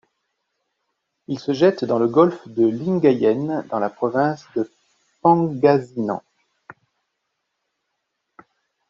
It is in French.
Il se jette dans le Golfe de Lingayen, dans la province de Pangasinan.